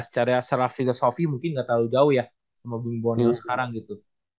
secara secara filosofi mungkin gak terlalu jauh ya sama bumi bonio sekarang gitu